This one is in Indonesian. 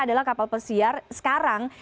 adalah kapal persiar sekarang